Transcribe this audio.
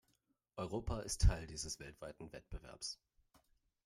Europa ist Teil dieses weltweiten Wettbewerbs.